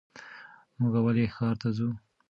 مونږ ولې ښار ته ځو؟